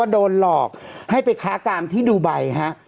โดนหลอกให้ไปค้ากามที่ดูไบฮะ